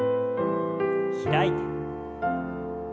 開いて。